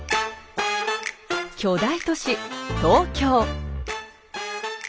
巨大都市東京。